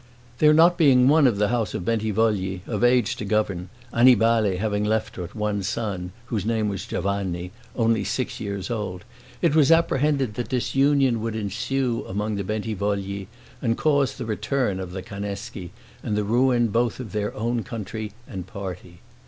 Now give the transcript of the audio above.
There not being one of the house of Bentivogli of age to govern, Annibale having left but one son whose name was Giovanni, only six years old, it was apprehended that disunion would ensue among the Bentivogli, and cause the return of the Cannecshi, and the ruin both of their own country and party.